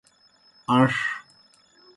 اَن٘ݜ۔